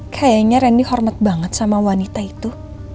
kayaknya randy hormat banget sama wanita itu